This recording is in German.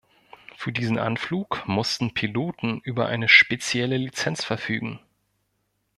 Für diesen Anflug mussten Piloten über eine spezielle Lizenz verfügen.